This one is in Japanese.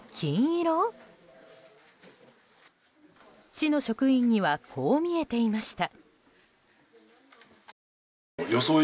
市の職員にはこう見えていました。